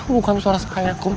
bukan suara saya kum